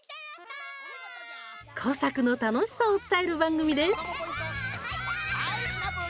工作の楽しさを伝える番組です。